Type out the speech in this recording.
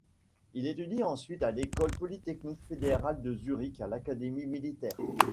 Il étudie ensuite à l'École polytechnique fédérale de Zurich à l'Académie militaire.